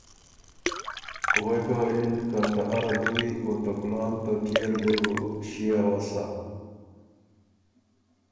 غوېکه وه یِن که ” ته اره دُوي، او ته کلان ته پئے ر دې بُو ݭيې اؤسا۔